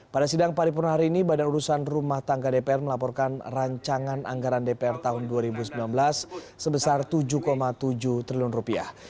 pada sidang paripurna hari ini badan urusan rumah tangga dpr melaporkan rancangan anggaran dpr tahun dua ribu sembilan belas sebesar tujuh tujuh triliun rupiah